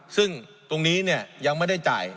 ซึ่งตรงนี้ยังไม่ได้จ่าย